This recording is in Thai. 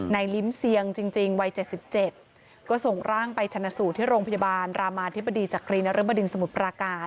ลิ้มเซียงจริงวัย๗๗ก็ส่งร่างไปชนะสูตรที่โรงพยาบาลรามาธิบดีจักรีนรบดินสมุทรปราการ